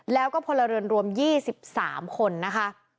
แล้วก็พลเรือนรวม๒๓คนนะคะ